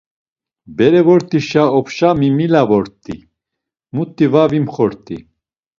Bere vort̆işa opşa mimila vort̆i, muti var vimxot̆i.